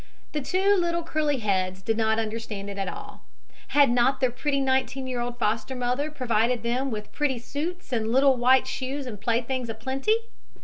The two little curly heads did not understand it all. Had not their pretty nineteen year old foster mother provided them with pretty suits and little white shoes and playthings a plenty?